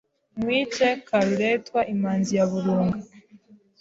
Nkwice Karuretwa Imanzi ya Burunga